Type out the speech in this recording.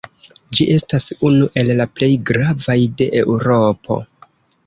Ĝi estas unu el la plej gravaj de Eŭropo.